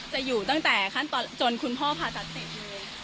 จะอยู่ตั้งแต่จนคุณพ่อผ่าตัดเสร็จเลย